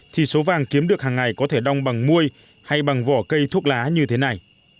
thì số vàng kiếm được hàng ngày có thể đong bằng muôi hay bằng vỏ cây thuốc lá như thế này